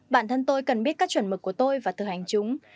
bản thân tôi cần biết các chuẩn mực của tôi và thực hành chúng